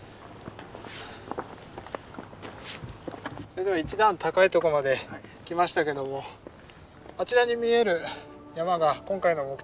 それでは一段高いとこまで来ましたけどもあちらに見える山が今回の目的地